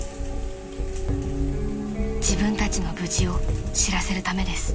［自分たちの無事を知らせるためです］